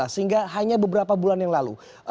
sehingga hanya beberapa bulan yang lalu